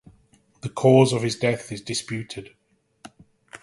The cause of his death is disputed.